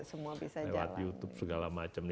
semua bisa lewat youtube segala macam